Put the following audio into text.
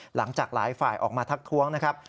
หลังจากหลายฝ่ายออกมาทักท้วงนะครับ